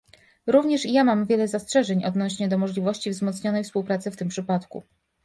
Również i ja mam wiele zastrzeżeń odnośnie do możliwości wzmocnionej współpracy w tym przypadku